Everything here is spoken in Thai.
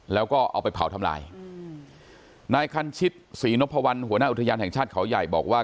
แล้วก็เอาไปเผาทำลายนายคันชิตศรีนพวัลหัวหน้าอุทยานแห่งชาติเขาใหญ่บอกว่า